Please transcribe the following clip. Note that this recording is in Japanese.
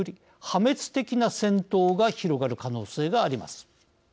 破滅的な戦闘が広がる可能性があります。